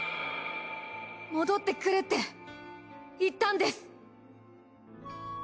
戻ってくるって言ったんです。